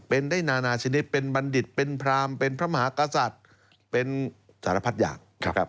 เป็นได้นานาชนิดเป็นบัณฑิตเป็นพรามเป็นพระมหากษัตริย์เป็นสารพัดอย่างนะครับ